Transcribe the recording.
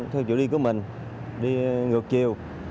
điều đi của mình đi ngược chiều